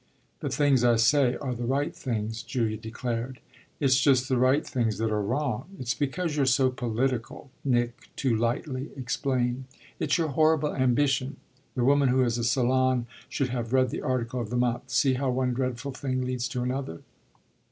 "The things I say are the right things," Julia declared. "It's just the right things that are wrong. It's because you're so political," Nick too lightly explained. "It's your horrible ambition. The woman who has a salon should have read the article of the month. See how one dreadful thing leads to another."